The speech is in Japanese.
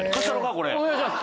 これ。